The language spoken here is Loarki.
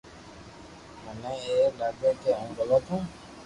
مني اي لاگي ڪي ھون گلت ھون